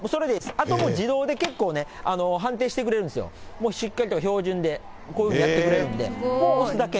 あとね、自動で結構ね、判定してくれるんですよ、湿気とか標準で、こういうふうにやってくれるんで、押すだけ。